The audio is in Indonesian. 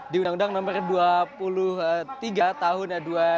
di undang undang nomor dua puluh tiga tahun dua ribu dua